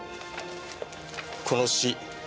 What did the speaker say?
この詩。